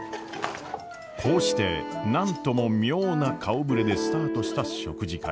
こうして何とも妙な顔ぶれでスタートした食事会。